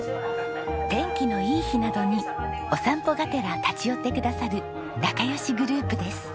天気のいい日などにお散歩がてら立ち寄ってくださる仲良しグループです。